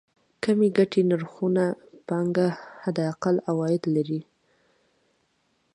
کمې ګټې نرخونو پانګه حداقل عواید لري.